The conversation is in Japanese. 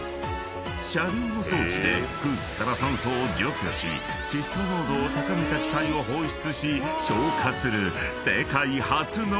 ［車両の装置で空気から酸素を除去し窒素濃度を高めた気体を放出し消火する］